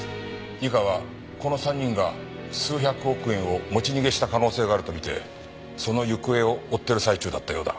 二課はこの３人が数百億円を持ち逃げした可能性があると見てその行方を追ってる最中だったようだ。